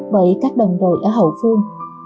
bởi các đồng đội ở hậu phương